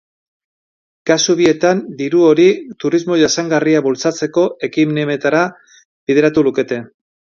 Kasu bietan diru hori turismo jasangarria bultzatzeko ekimenetara bideratuko lukete.